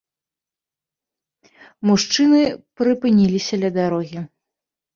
Мужчыны прыпыніліся ля дарогі.